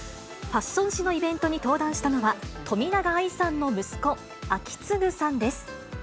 ファッション誌のイベントに登壇したのは、冨永愛さんの息子、章胤さんです。